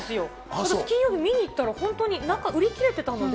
私、金曜日に見に行ったら、本当に、売り切れてたので。